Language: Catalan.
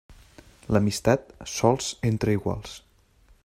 L'amistat, sols entre iguals.